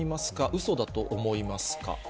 うそだと思いますか？